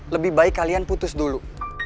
lebih baik kalian putus dulu